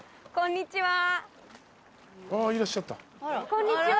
こんにちは。